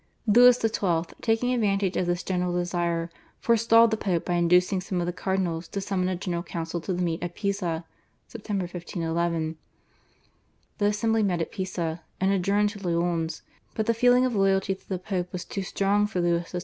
Louis XII., taking advantage of this general desire, forestalled the Pope by inducing some of the cardinals to summon a General Council to meet at Pisa (September 1511). The assembly met at Pisa and adjourned to Lyons, but the feeling of loyalty to the Pope was too strong for Louis XII.